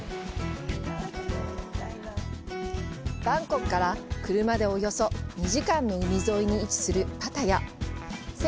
バンコクから車でおよそ２時間の海沿いに位置するパタヤ。